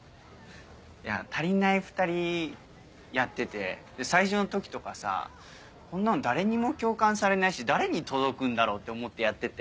いや『たりないふたり』やってて最初の時とかさぁ「こんなの誰にも共感されないし誰に届くんだろう？」って思ってやってて。